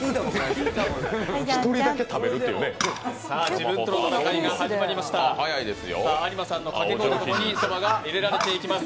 自分との戦いが始まりました有馬さんの掛け声とともにそばが入れられていきます。